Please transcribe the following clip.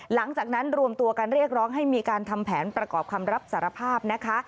หลังจากนั้นรวมตัวกันเรียกร้องให้มีการทำแผนประกอบคำรับสารภาพนะคะ